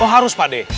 oh harus pak d